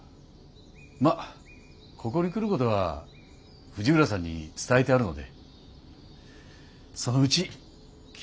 まあここに来ることは藤浦さんに伝えてあるのでそのうち気付いてくれるでしょう。